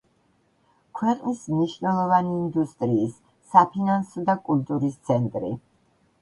ქვეყნის მნიშვნელოვანი ინდუსტრიის, საფინანსო და კულტურის ცენტრი.